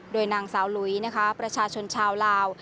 โดยนางสาวหลุยนะคะประชาชนชาวลาว